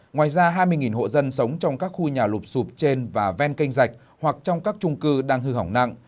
ngoài ra hai mươi hộ dân sống trong các khu nhà lụp sụp trên và ven kênh dạch hoặc trong các trung cư đang hư hỏng nặng